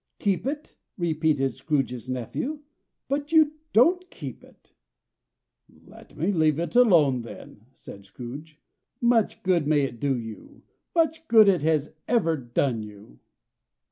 "Keep it!" repeated Scrooge's nephew. "But you don't keep it." "Let me leave it alone, then," said Scrooge. "Much good may it do you! Much good it has ever done you!"